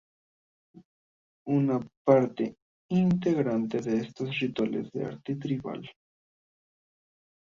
Una parte integrante de estos rituales es el arte tribal.